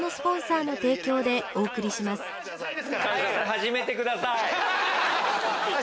早く始めてください！